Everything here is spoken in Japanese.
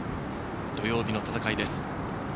土曜日の戦いです。